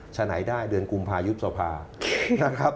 ฉะไหนได้เดือนกุมภายุบสภานะครับ